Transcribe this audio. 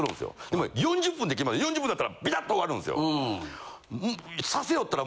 でもね４０分で４０分なったらビタッと終わるんすよ。